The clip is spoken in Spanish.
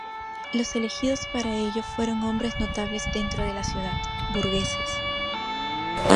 Los elegidos para ello fueron hombres notables dentro de la ciudad, burgueses.